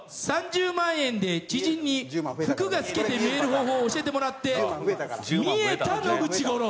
「３０万円で知人に服が透けて見える方法を教えてもらって見えた野口五郎」。